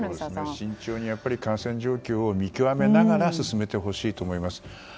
慎重に感染状況を見極めながら進めてほしいと思います。